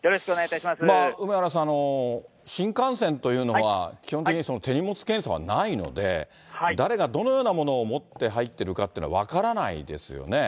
梅原さん、新幹線というのは基本的に手荷物検査はないので、誰がどのようなものを持って入ってるかっていうのは分からないですよね。